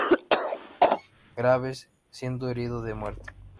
Graves, siendo herido de muerte.